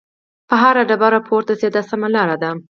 په هره ډبره پورته شئ دا سمه لار ده.